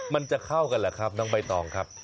มันจะเข้ากันเหรอครับน้องใบตองครับ